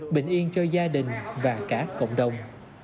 bình yên cho gia đình và cả cộng đồng